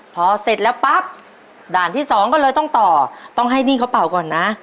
พอเสร็จแล้วปั๊บด่านที่สองก็เลยต้องต่อต้องให้หนี้เขาเป่าก่อนนะ